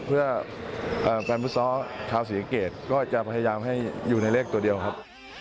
เพื่อแฟนฟุตซอลชาวศรีสะเกดก็จะพยายามให้อยู่ในเลขตัวเดียวครับ